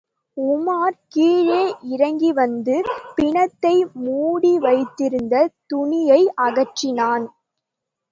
உமார் கீழே இறங்கிவந்து பிணத்தை மூடி வைத்திருந்த துணியை அகற்றினான்.